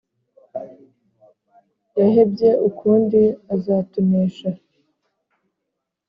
yahebye ukundi azatunesha